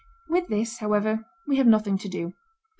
With this, however, we have nothing to do.